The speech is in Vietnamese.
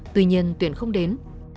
tuy nhiên tuyển không đến